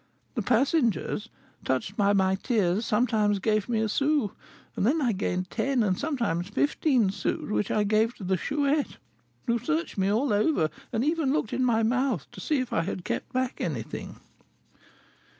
The passengers, touched by my tears, sometimes gave me a sou; and then I gained ten and sometimes fifteen sous, which I gave to the Chouette, who searched me all over, and even looked in my mouth, to see if I had kept back anything."